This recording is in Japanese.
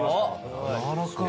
やわらかい。